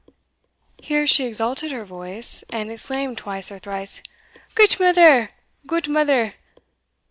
Here she exalted her voice, and exclaimed twice or thrice, "Gudemither! gudemither!"